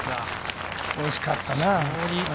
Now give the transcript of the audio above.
惜しかったな。